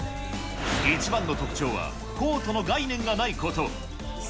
一番の特徴は、コートの概念がないこと。